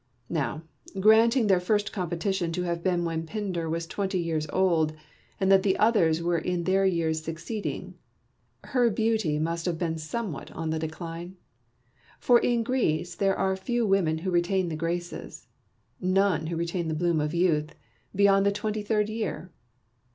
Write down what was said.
Now, granting their first competition to have been when Pindar was twenty years old, and that the others were in the years succeeding, her beauty must have been somewhat on the decline ; for in Greece there are few women who retain the graces, none who retain the bloom of youth, beyond the twenty third year.